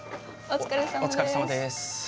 お疲れさまです。